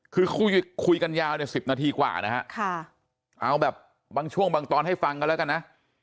คือคุยกันยาวเนี่ย๑๐นาทีกว่านะฮะเอาแบบบางช่วงบางตอนให้ฟังกันแล้วกันนะ